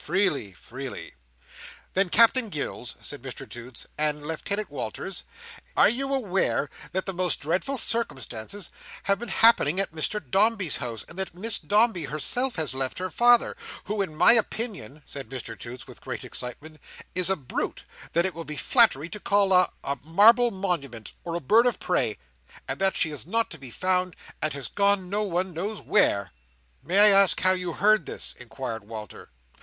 "Freely, freely." "Then, Captain Gills," said Mr Toots, "and Lieutenant Walters—are you aware that the most dreadful circumstances have been happening at Mr Dombey's house, and that Miss Dombey herself has left her father, who, in my opinion," said Mr Toots, with great excitement, "is a Brute, that it would be a flattery to call a—a marble monument, or a bird of prey,—and that she is not to be found, and has gone no one knows where?" "May I ask how you heard this?" inquired Walter.